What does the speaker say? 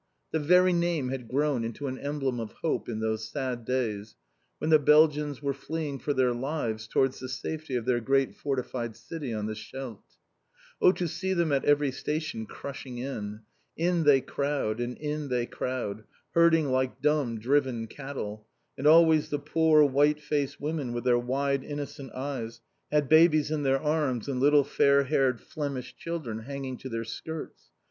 The very name had grown into an emblem of hope in those sad days, when the Belgians were fleeing for their lives towards the safety of their great fortified city on the Scheldt. Oh, to see them at every station, crushing in! In they crowd, and in they crowd, herding like dumb, driven cattle; and always the poor, white faced women with their wide, innocent eyes, had babies in their arms, and little fair haired Flemish children hanging to their skirts.